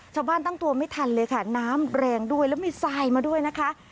ตั้งตัวไม่ทันเลยค่ะน้ำแรงด้วยแล้วมีทรายมาด้วยนะคะ